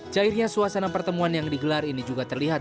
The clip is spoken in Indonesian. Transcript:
cairnya suasana pertemuan yang digelar ini juga terlihat